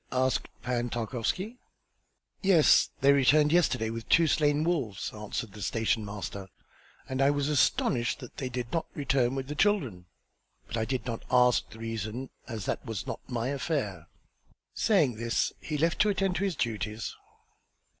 asked Pan Tarkowski. "Yes. They returned yesterday with two slain wolves," answered the station master; "and I was astonished that they did not return with the children. But I did not ask the reason as that was not my affair." Saying this he left to attend to his duties.